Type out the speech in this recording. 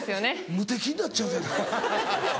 無敵になっちゃうじゃない。